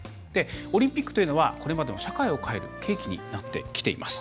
オリンピックというのはこれまでも社会を変える契機にもなってきています。